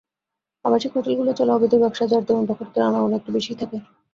আবাসিক হোটেলগুলোয় চলে অবৈধ ব্যবসা, যার দরুণ বখাটেদের আনাগোনা একটু বেশিই থাকে।